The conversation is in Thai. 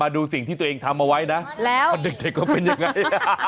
ดูสิ่งที่ตัวเองทำเอาไว้นะตอนเด็กเขาเป็นยังไง